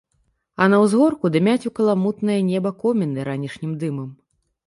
А на ўзгорку дымяць у каламутнае неба коміны ранішнім дымам.